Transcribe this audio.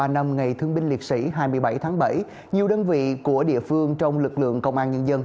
bảy mươi năm ngày thương binh liệt sĩ hai mươi bảy tháng bảy nhiều đơn vị của địa phương trong lực lượng công an nhân dân